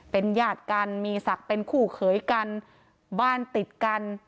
เป็นญาติกันมีศักดิ์เป็นคู่เขยกันบ้านติดกัน